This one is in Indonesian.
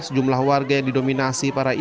sejumlah warga yang didominasi para ibu ini